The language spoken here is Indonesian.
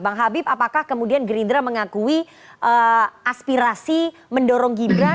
bang habib apakah kemudian gerindra mengakui aspirasi mendorongnya